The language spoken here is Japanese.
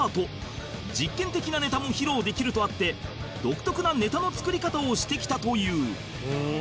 実験的なネタも披露できるとあって独特なネタの作り方をしてきたという